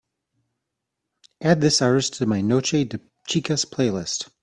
add this artist to my Noche de chicas playlist